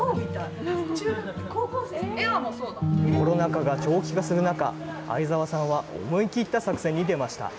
コロナ禍が長期化する中、逢沢さんは思い切った作戦に出ました。